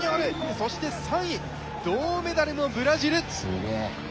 そして３位銅メダルもブラジル。